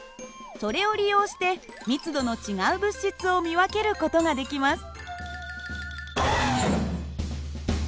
それを利用して密度の違う物質を見分ける事ができます。